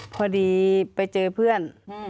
พอดีไปเจอเพื่อน